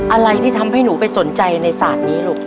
อะไรที่ทำให้หนูไปสนใจในศาสตร์นี้ลูก